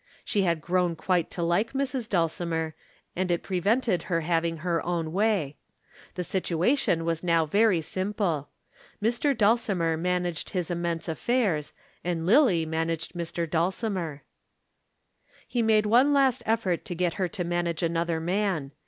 She had grown quite to like Mrs. Dulcimer, and it prevented her having her own way. The situation was now very simple. Mr. Dulcimer managed his immense affairs and Lillie managed Mr. Dulcimer. He made one last effort to get her to manage another man.